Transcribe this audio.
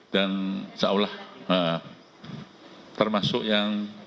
dan seolah termasuk yang n sembilan puluh lima ya